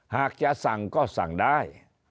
หากจะสั่งก็สั่งได้